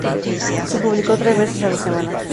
Se publicó tres veces a la semana.